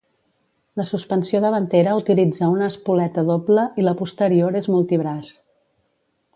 La suspensió davantera utilitza una espoleta doble i la posterior és multibraç.